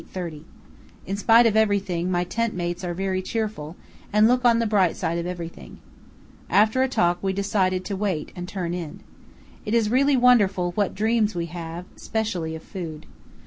30. In spite of everything my tent mates are very cheerful and look on the bright side of everything. After a talk we decided to wait and turned in. It is really wonderful what dreams we have, especially of food.